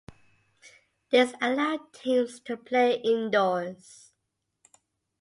This allowed teams to play indoors.